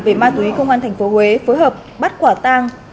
về ma túy công an tp huế phối hợp bắt quả tang